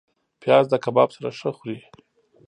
پیاز د کباب سره ښه خوري